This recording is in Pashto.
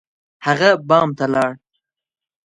هغه بام ته لاړ.